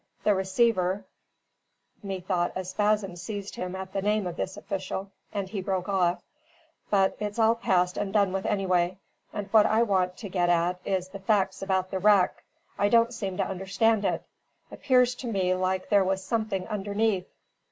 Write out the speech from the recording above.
The receiver " (methought a spasm seized him at the name of this official, and he broke off). "But it's all past and done with anyway; and what I want to get at is the facts about the wreck. I don't seem to understand it; appears to me like as there was something underneath."